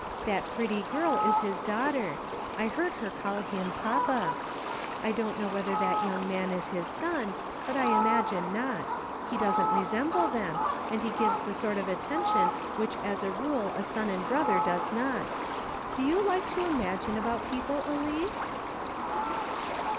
That pretty girl is his daughter ; I heard her call him papa. I don't know whether the young man is his son, but I imagine not ; he doesn't resemble them, and he gives the sort of attention which as a rule a son and brother does not. Do you like to imagine about people, Elice